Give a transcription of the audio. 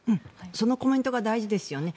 そのコメントが大事ですよね。